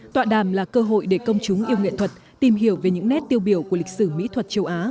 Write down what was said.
tọa đàm là cơ hội để công chúng yêu nghệ thuật tìm hiểu về những nét tiêu biểu của lịch sử mỹ thuật châu á